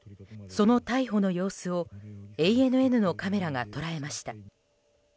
その逮捕の様子をＡＮＮのカメラが捉えました。